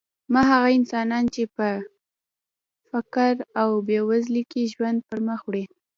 هغه انسانان چې په فقر او بېوزلۍ کې ژوند پرمخ وړي.